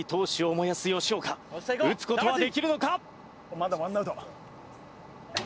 まだワンアウト。